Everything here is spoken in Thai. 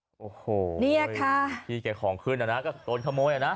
โอ้โหเนี่ยค่ะพี่แกของขึ้นนะนะก็โดนขโมยอ่ะนะ